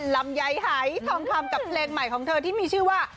ลำไยหายทองคำกับเพลงใหม่ของเธอที่มีชื่อว่า